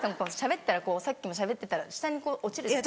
しゃべったらさっきもしゃべってたら下に落ちる。